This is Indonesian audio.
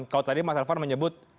kalau tadi mas elvan menyebut